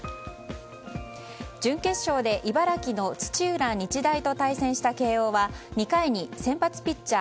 準決勝で茨城の土浦日大と対戦した慶應は２回に先発ピッチャー